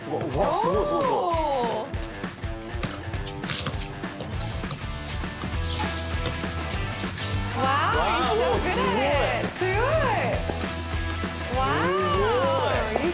すごい！